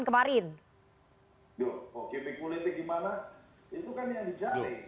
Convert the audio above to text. duh kok gimmick politik gimana itu kan yang dijaring